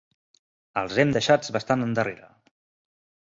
Els hem deixats bastant endarrere!